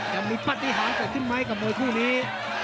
จะมีปฏิหารเกิดขึ้นไหมกับมวยคู่นี้